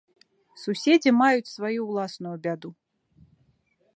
Суседзі маюць сваю ўласную бяду.